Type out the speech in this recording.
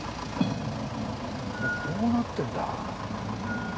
こうなってんだ。